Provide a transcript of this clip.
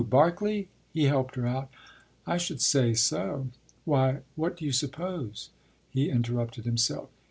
Barkley?” he helped her out. “I should say so! Why what do you suppose ” He interrupted himself.